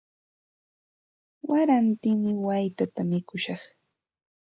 Warantimi waytata mikushaq.